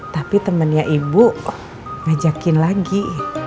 tapi temennya ibu kok ngajakin lagi